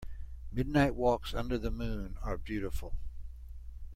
Midnight walks under the moon are beautiful.